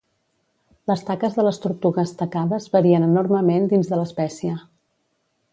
Les taques de les tortugues tacades varien enormement dins de l'espècie.